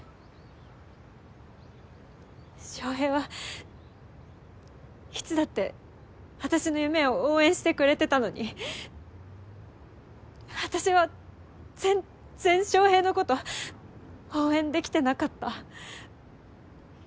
翔平はいつだってあたしの夢を応援してくれてたのにあたしは全然翔平のこと応援できてなかった。